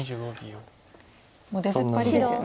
もう出ずっぱりですよね。